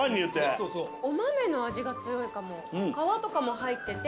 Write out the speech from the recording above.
お豆の味が強いかも皮とかも入ってて。